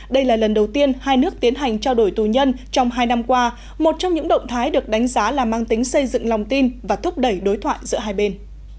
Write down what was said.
đây là lần đầu tiên hai nước tiến hành trao đổi tù nhân trong hai năm qua một trong những động thái được đánh giá là mang tính xây dựng lòng tin và thúc đẩy đối thoại giữa hai bên